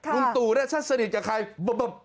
ลูกตูถ้าสนิทกับใครบ๊บบบบ